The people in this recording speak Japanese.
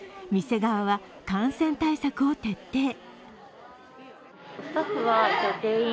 店側は感染対策を徹底。